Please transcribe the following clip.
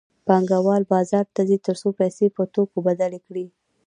پانګوال بازار ته ځي تر څو پیسې په توکو بدلې کړي